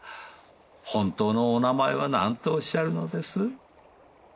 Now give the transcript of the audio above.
本当のお名前はなんとおっしゃるのです？